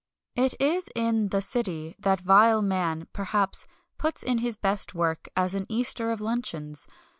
It is in "the City" that vile man, perhaps, puts in his best work as an eater of luncheons.